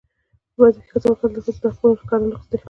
په بدو کي د ښځو ورکول د ښځو د حقونو ښکاره نقض دی.